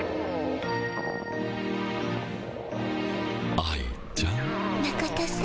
愛ちゃん。